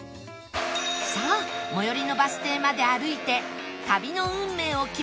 さあ最寄りのバス停まで歩いて旅の運命を決める